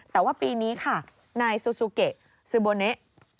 แต่ว่าปีนี้ค่ะนายซูซูเกะซูโบเนะ